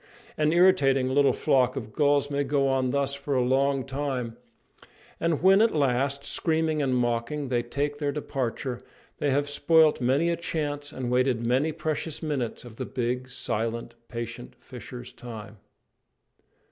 An irritating little flock of gulls may go on thus for a long time; and when at last, screaming and mocking, they take their departure, they have spoilt many a chance and wasted many precious minutes of the big, silent, patient fisher's time.